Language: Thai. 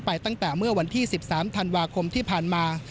ตั้งแต่เมื่อวันที่๑๓ธันวาคมที่ผ่านมา